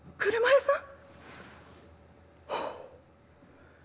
俥屋さん。